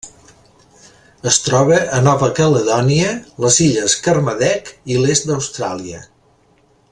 Es troba a Nova Caledònia, les Illes Kermadec i l'est d'Austràlia.